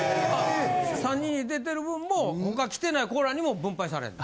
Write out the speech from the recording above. ・３人出てる分も今回来てない子らにも分配されるの？